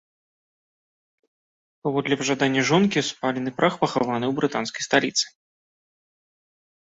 Паводле жадання жонкі спалены прах пахаваны пры ў брытанскай сталіцы.